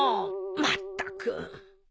まったく。